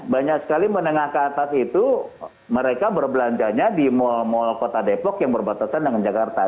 banyak sekali menengah ke atas itu mereka berbelanjanya di mal mal kota depok yang berbatasan dengan jakarta